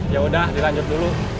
yaudah dilanjut dulu